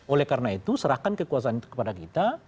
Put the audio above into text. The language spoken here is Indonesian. oleh karena itu serahkan kekuasaan itu kepada kita